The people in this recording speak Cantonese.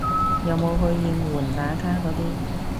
有冇去應援打卡嗰啲